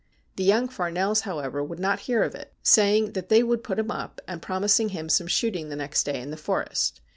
The young Farnells, however, would not hear of it, saying that they would put him up, and promising him some shooting the next day in the Forest.